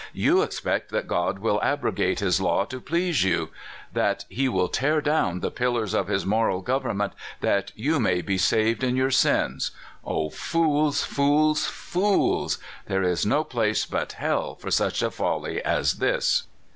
"You expect that God will abrogate his law to please you; that he will tear down the pillars of his moral government that you may be SANDERS. 235 saved in your sins! O fools, fools, fools! there is no place but hell for such a folly as this!"